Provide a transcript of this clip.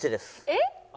えっ？